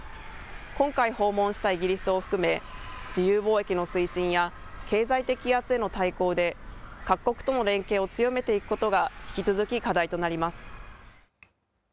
今回訪問したイギリスを含め、自由貿易の推進や経済的威圧への対抗で、各国との連携を強めていくことが引き続き課題となります。